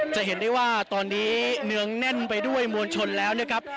จะเห็นได้ว่าตอนนี้เนืองแน่นไปด้วยมวลชนแล้วนะครับ